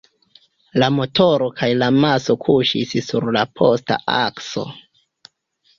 La motoro kaj la maso kuŝis sur la posta akso.